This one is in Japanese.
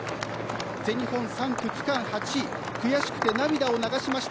全日本３区、区間８位悔しくて涙を流しました。